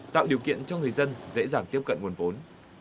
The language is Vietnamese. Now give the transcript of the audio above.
tạo điều kiện cho người dân dễ dàng tiếp cận nguồn vốn